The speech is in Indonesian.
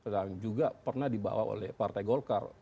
dan juga pernah dibawa oleh partai golkar